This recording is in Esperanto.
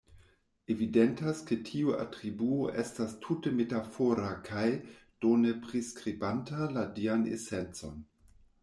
Evidentas ke tiu atribuo estas tute metafora kaj, do, ne priskribanta la dian esencon.